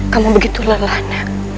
kamu begitu lelah nak